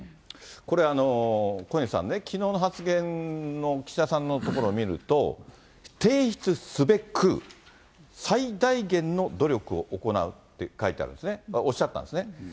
これ、小西さんね、きのうの発言の岸田さんのところを見ると、提出すべく最大限の努力を行うって書いてあるんですね、おっしゃったんですね。